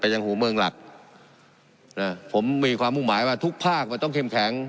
ยังหัวเมืองหลักนะผมมีความมุ่งหมายว่าทุกภาคมันต้องเข้มแข็ง